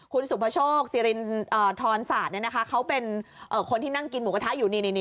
คุณสุภโชคสิริทรศาสตร์เขาเป็นคนที่นั่งกินหมูกระทะอยู่นี่